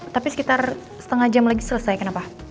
tapi sekitar setengah jam lagi selesai kenapa